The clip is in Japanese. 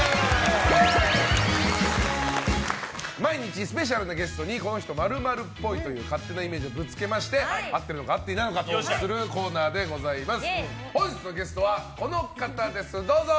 毎日スペシャルなゲストにこの人○○っぽいという勝手なイメージをぶつけまして、合っているのか合っていないのかトークするコーナーでございます。